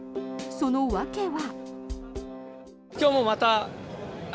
その訳は。